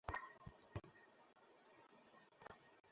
তাঁর ওপর চাপ প্রয়োগ করার ফলে অন্যদের কাছে একধরনের বার্তা যাচ্ছে।